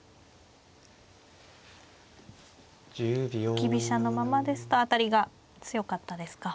浮き飛車のままですと当たりが強かったですか。